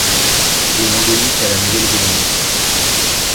Elle est endémique à la Nouvelle-Zélande.